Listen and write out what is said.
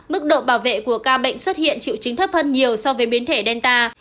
mức độ bảo vệ của ca bệnh xuất hiện triệu chứng thấp hơn nhiều so với biến thể delta